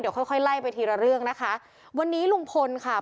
เดี๋ยวค่อยค่อยไล่ไปทีละเรื่องนะคะวันนี้ลุงพลค่ะ